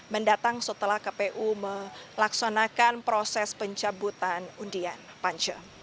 mendatang setelah kpu melaksanakan proses pencabutan undian pansel